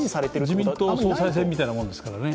自民党総裁選みたいなものですからね。